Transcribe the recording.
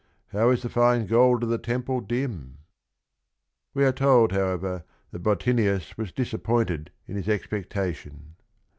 How is the fine gold of the Temple dim 1 '" We are told, however, that Bottinius was dis appointed in his expectation.